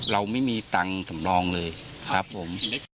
เราไม่มีตังค์สำรองเลยครับผม